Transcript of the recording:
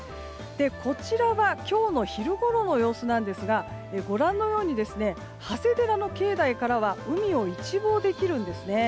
こちらは今日の昼ごろの様子ですがご覧のように長谷寺の境内からは海を一望できるんですね。